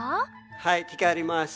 はいひかります。